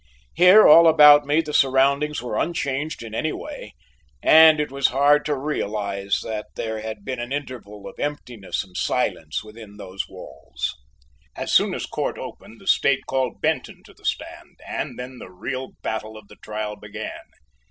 Here, all about me, the surroundings were unchanged in any way and it was hard to realize that there had been an interval of emptiness and silence within those walls. As soon as court opened the State called Benton to the stand, and then the real battle of the trial began.